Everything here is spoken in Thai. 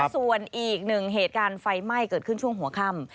ส่วนอีกหนึ่งเหตุการณ์ไฟไหม้เกิดขึ้นช่วงหัวค่ำ